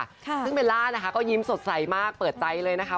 ซึ่งเบลล่านะคะก็ยิ้มสดใสมากเปิดใจเลยนะคะ